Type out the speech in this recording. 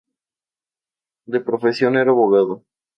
De profesión era abogado.